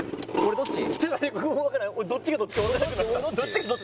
どっちがどっち？